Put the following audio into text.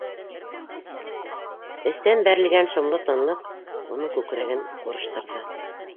Эстән бәрелгән шомло тынлыҡ уның күкрәген ҡурыштырҙы.